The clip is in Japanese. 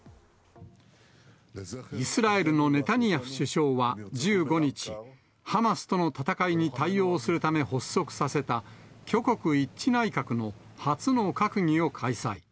イスラエルのネタニヤフ首相は１５日、ハマスとの戦いに対応するため発足させた、挙国一致内閣の初の閣議を開催。